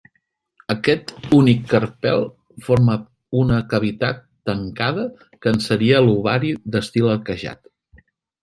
Aquest únic carpel forma una cavitat tancada que en seria l'ovari d'estil arquejat.